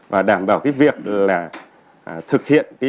và đảm bảo cái việc là thực hiện